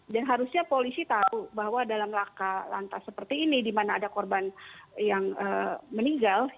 dan harusnya polisi tahu bahwa dalam laka lanta seperti ini di mana ada korban yang meninggal